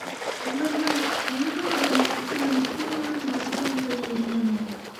இவர்களிருரிடமும் சில முக்கியமான நற்குணங்கள் இருந்தன.